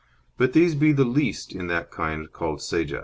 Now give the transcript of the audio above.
But these be the least in that kynde called Sagax."